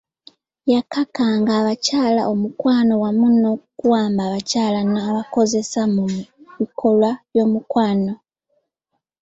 Yakakanga abakyala omukwano wamu n'okuwamba abakyala n'abakozesa mu bikolwa by'omukwano.